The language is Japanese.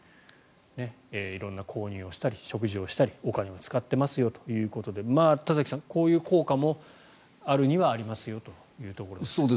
色んな購入をしたり食事をしたりお金を使ってますよということで田崎さん、こういう効果もあるにはありますよという。